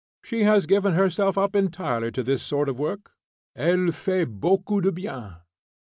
"She has given herself up entirely to this sort of work. Elle fait beaucoup de bien.